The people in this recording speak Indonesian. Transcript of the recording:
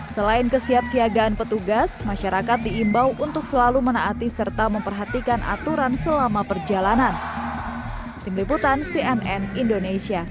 selain kesiapsiagaan petugas masyarakat diimbau untuk selalu menaati serta memperhatikan aturan selama perjalanan